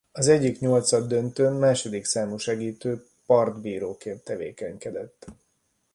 Az egyik nyolcaddöntőn második számú segítő partbíróként tevékenykedett.